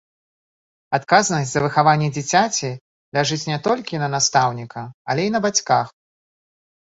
Адказнасць за выхаванне дзіцяці ляжыць не толькі на настаўніка, але і на бацьках.